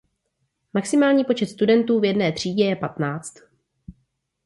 Maximální počet studentů v jedné třídě je patnáct.